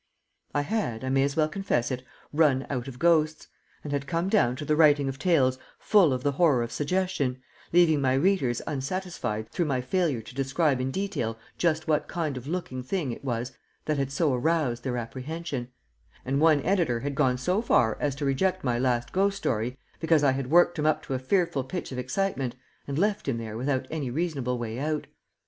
I had, I may as well confess it, run out of ghosts, and had come down to the writing of tales full of the horror of suggestion, leaving my readers unsatisfied through my failure to describe in detail just what kind of looking thing it was that had so aroused their apprehension; and one editor had gone so far as to reject my last ghost story because I had worked him up to a fearful pitch of excitement, and left him there without any reasonable way out.